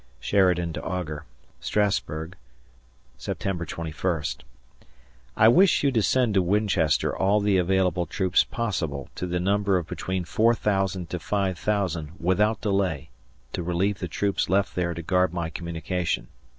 [Sheridan to Augur] Strassburg, September 21st. I wish you to send to Winchester all the available troops possible to the number of between four thousand to five thousand, without delay, to relieve the troops left there to guard my communication.